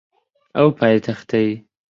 ئەو پایتەختەی